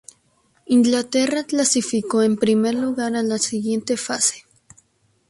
Inglaterra clasificó en primer lugar a la siguiente fase.